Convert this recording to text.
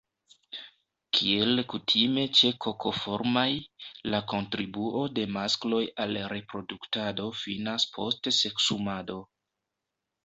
Kiel kutime ĉe Kokoformaj, la kontribuo de maskloj al reproduktado finas post seksumado.